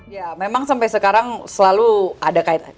tapi memang sampai sekarang selalu ada kaitan